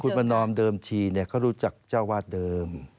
คุณประนอมเดิมทีเขารู้จักเจ้าวาดเดิม